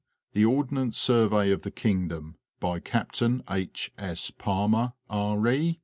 The Ordnance Suryey of the.:Kingdom, by Capt. H. 8. Palmer, R.E.